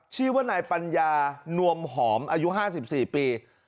ชื่อว่านายปัญญานวมหอมอายุ๕๔ปี